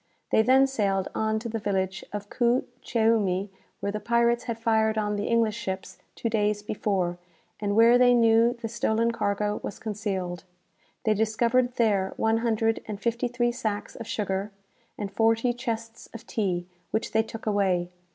They then sailed on to the village of Kou Cheoumi, where the pirates had fired on the English ships two days before, and where they knew the stolen cargo was concealed. They discovered there one hundred and fifty three sacks of sugar, and forty chests of tea, which they took away.